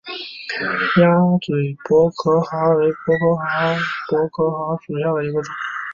鸭嘴薄壳蛤为薄壳蛤科薄壳蛤属下的一个种。